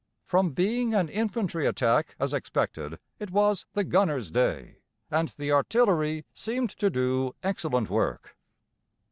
From being an infantry attack as expected it was the gunners' day, and the artillery seemed to do excellent work.